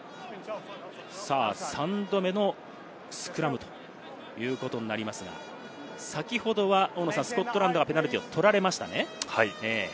さあ、３度目のスクラムということになりますが、先ほどはスコットランドがペナルティーを取られましたね。